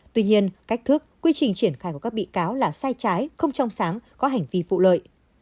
tuy nhiên cách thức quy trình triển khai của các bị cáo là sai trái không trong sáng có hành vi phụ lợi